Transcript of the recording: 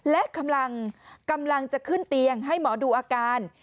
และกำลังจะขึ้นเตียงให้หมอดูอาการ